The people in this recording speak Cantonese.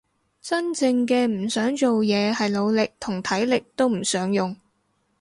真正嘅唔想做嘢係腦力同體力都唔想用